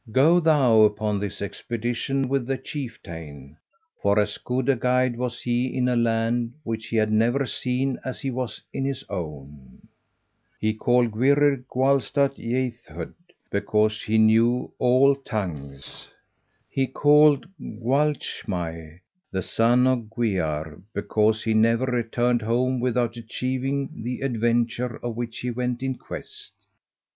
"Go thou upon this expedition with the Chieftain." For as good a guide was he in a land which he had never seen as he was in his own. He called Gwrhyr Gwalstawt Ieithoedd, because he knew all tongues. He called Gwalchmai, the son of Gwyar, because he never returned home without achieving the adventure of which he went in quest.